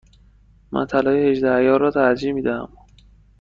من طلای هجده عیار را ترجیح می دهم.